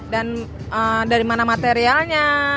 dan dari mana materialnya